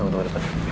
sampai jumpa depan